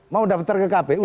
mau daftar ke kpu